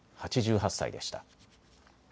８８歳でした。